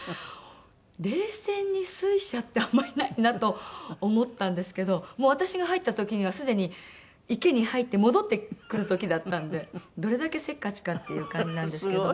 冷泉に水車ってあんまりないなと思ったんですけどもう私が入った時にはすでに池に入って戻ってくる時だったんでどれだけせっかちかっていう感じなんですけど。